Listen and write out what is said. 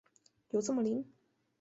有这么灵？